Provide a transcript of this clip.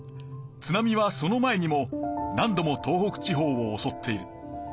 津波はその前にも何度も東北地方をおそっている。